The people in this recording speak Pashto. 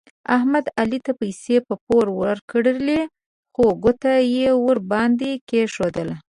احمد علي ته پیسې په پور ورکړلې خو ګوته یې ور باندې کېښودله.